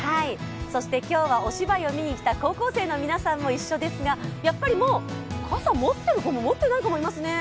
そして今日はお芝居を見に来た高校生の皆さんも一緒ですが、やっぱり傘を持ってる子も持ってない子もいますね。